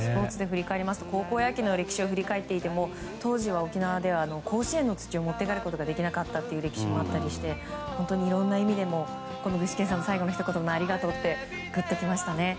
高校野球の歴史を振り返っていても当時の沖縄では甲子園の土を持って帰ることができなかった歴史があったりして本当にいろんな意味で具志堅さんの最後のひと言のありがとうってグッと来ましたね。